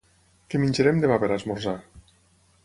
Què menjarem demà per esmorzar?